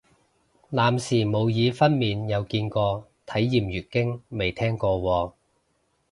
男士模擬分娩有見過，體驗月經未聽過喎